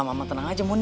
mama tenang aja moni